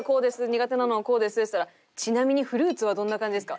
苦手なのはこうです」って言ったら「ちなみにフルーツはどんな感じですか？」。